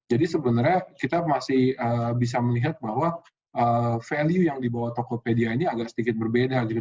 jadi sebenarnya kita masih bisa melihat bahwa value yang dibawa tokopedia ini agak sedikit berbeda gitu